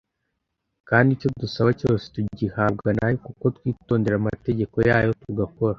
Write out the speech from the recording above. kandi icyo dusaba cyose tugihabwa na yo, kuko twitondera amategeko yayo tugakora